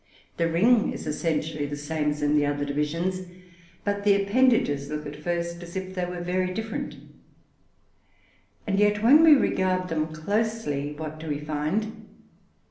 The ring is essentially the same as in the other divisions; but the appendages look at first as if they were very different; and yet when we regard them closely, what do we find?